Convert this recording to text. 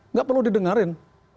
nggak perlu didengarkan